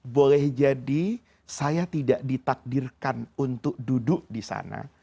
boleh jadi saya tidak ditakdirkan untuk duduk disana